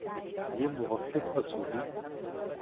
یہ موقف اصولی